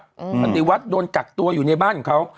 ปฏิวัติโดนกักตัวอยู่ในบ้านของเขา